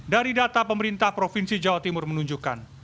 dari data pemerintah provinsi jawa timur menunjukkan